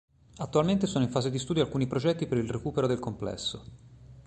Attualmente sono in fase di studio alcuni progetti per il recupero del complesso.